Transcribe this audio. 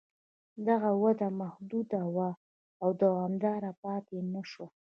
دغه وده محدوده وه او دوامداره پاتې نه شوه